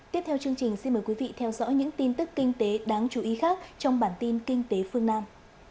tiếp theo chương trình xin mời quý vị theo dõi những tin tức kinh tế đáng chú ý khác trong bản tin kinh tế phương nam